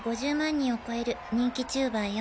人を超える人気チューバーよ。